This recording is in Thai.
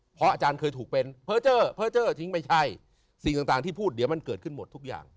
เพราะอาจารย์เคยถูกเป็นเพอร์เจอร์เพอร์เจอร์ทิ้งไม่ใช่สิ่งต่างที่พูดเดี๋ยวมันเกิดขึ้นหมดทุกอย่าง